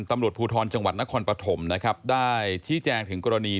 ตำรวจภูทรจังหวัดนครปฐมนะครับได้ชี้แจงถึงกรณี